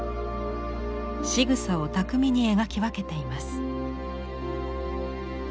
しぐさを巧みに描き分けています。